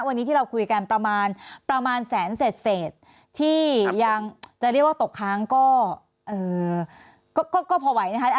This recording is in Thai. วันนี้ที่เราคุยกันประมาณประมาณแสนเศษที่ยังจะเรียกว่าตกค้างก็พอไหวนะคะ